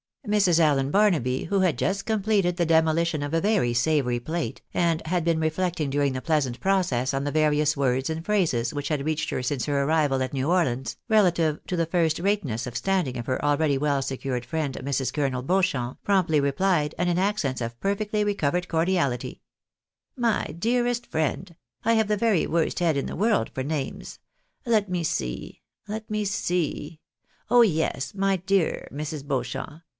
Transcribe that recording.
Mrs. Allen Barnaby, who had just completed the demolition of a very savoury plate, and had been reflecting during the pleasant process on the various words and phrases which had reached her since her arrival at New Orleans, relative to the first rateness of standing of her already well secured friend, Mrs. Colonel Beau champ, promptly replied, and in accents of perfectly recovered cordiahty —" My dearest friend ! I have the very worst head in the world 154 THE BAEXAEYS IN AMERICA. for names ! Let me see — let me see — oli, yes, my (Jear Mrs. Beau champ